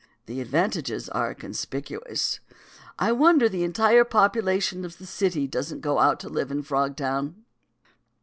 The advantages are conspicuous. I wonder the entire population of the city doesn't go out to live in Frogtown."